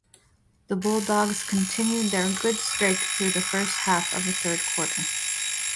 The Bulldogs continued their good streak through the first half of the third quarter.